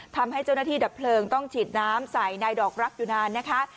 ทำให้เจ้าหน้าที่ดับเพลิงต้องฉีดน้ำใส่นายดอกรักอยู่นานนะคะ